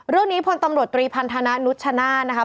รูปนี้ผลตำรวจตรีพันธนานุชชนะนะคะ